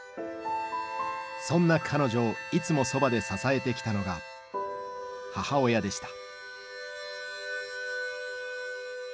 そんな彼女をいつもそばで支えてきたのが母親でした。